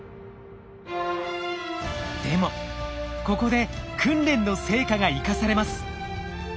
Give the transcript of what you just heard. でもここで訓練の成果が生かされます。